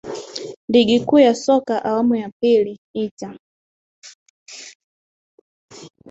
ligi kuu ya soka awamu ya pili ita